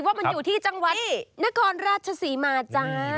ว่ามันอยู่ที่จังหวัดนครราชศรีมาจ้า